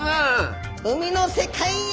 海の世界へ。